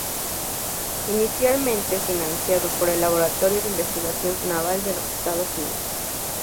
Inicialmente financiado por el Laboratorio de Investigación Naval de los Estados Unidos.